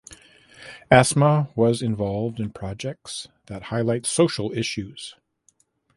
Asma was involved in projects that highlight social issues.